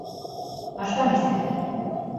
А шта мислите?